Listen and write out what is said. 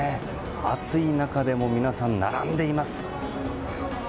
暑い中でも皆さん、並んでいます。